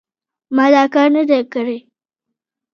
ما دا کار نه دی کړی.